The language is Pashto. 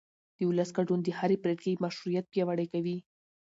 د ولس ګډون د هرې پرېکړې مشروعیت پیاوړی کوي